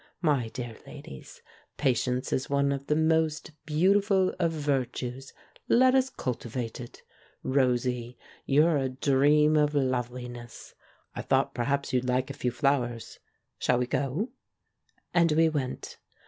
My dear ladies, pa tience is one of the most beautiful of virtues —• let us cultivate it ! Rosie, you're a dream of love liness. I thought perhaps you'd like a few flow ers. Shall we go?" And we went.